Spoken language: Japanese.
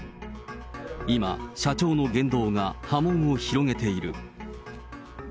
今、社長の言動が波紋を広げている。